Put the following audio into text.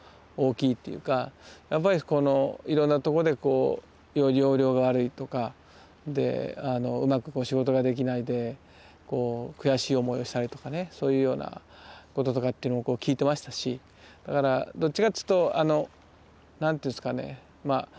やっぱりいろんなとこで要領が悪いとかうまく仕事ができないで悔しい思いをしたりとかねそういうようなこととかっていうのを聞いてましたしだからどっちかっつうと何ていうんですかね